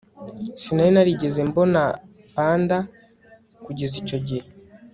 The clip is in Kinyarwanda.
Sinari narigeze mbona panda kugeza icyo gihe